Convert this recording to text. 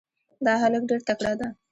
دا هلک ډېر تکړه ده.